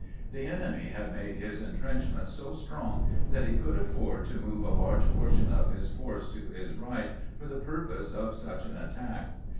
The enemy had made his intrenchments so strong that he could afford to move a large portion of his force to his right for the purpose of such an attack.